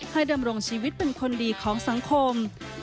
ดำรงชีวิตเป็นคนดีของสังคม